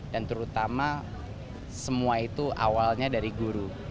dan terutama semua itu awalnya dari guru